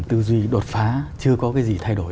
tư duy đột phá chưa có cái gì thay đổi